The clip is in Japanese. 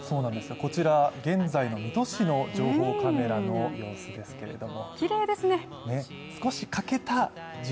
こちら、現在の水戸市の情報カメラの様子ですけれども。